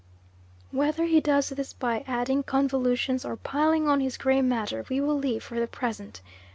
Whether he does this by adding convolutions or piling on his gray matter we will leave for the present.